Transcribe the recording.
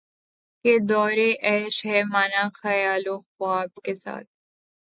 کہ دورِ عیش ہے مانا خیال و خواب کے ساتھ